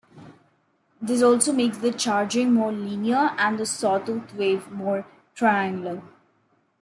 This also makes the charging more linear, and the sawtooth wave more triangular.